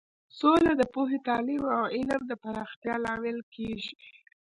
سوله د پوهې، تعلیم او علم د پراختیا لامل کیږي.